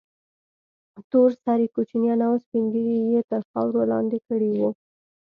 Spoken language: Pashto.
تور سرې كوچنيان او سپين ږيري يې تر خاورو لاندې كړي وو.